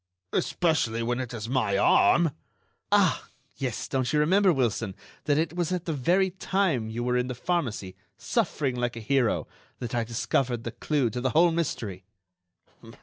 "Especially when it is my arm." "Ah! yes, don't you remember, Wilson, that it was at the very time you were in the pharmacy, suffering like a hero, that I discovered the clue to the whole mystery?"